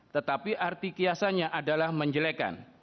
tetapi arti kiasannya adalah menjelekan